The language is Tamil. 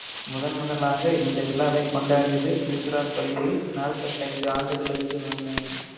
முதன் முதலாக இந்த விழாவைக் கொண்டாடியது திருச்சிராப்பள்ளியில், நாற்பத்தைந்து ஆண்டுகளுக்கு முன்னே.